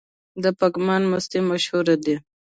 د پګمان مستې مشهورې دي؟